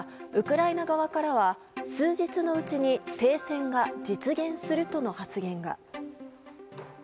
ウクライナ側からは数日のうちに停戦が実現するとの発言が。